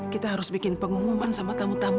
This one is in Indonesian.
kita harus bikin pengumuman sama tamu tamu